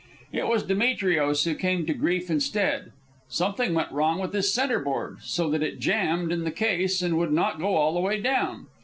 It was Demetrios who came to grief instead. Something went wrong with his centre board, so that it jammed in the case and would not go all the way down.